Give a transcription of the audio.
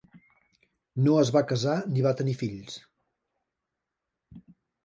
No es va casar ni va tenir fills.